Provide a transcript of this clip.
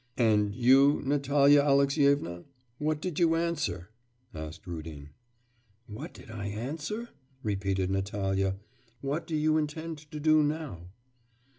'And you, Natalya Alexyevna, what did you answer?' asked Rudin. 'What did I answer?' repeated Natalya.... 'What do you intend to do now?